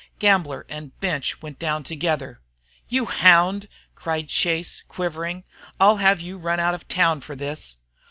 Gambler and bench went down together. "You hound!" cried Chase, quivering. "I'll have you run out of town for this."